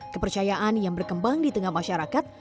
kepercayaan yang berkembang di tengah masyarakat